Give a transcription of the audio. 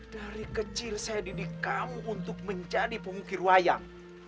dari kecil saya didik kamu untuk menjadi pengukir wayang